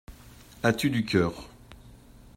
As-tu du cœur?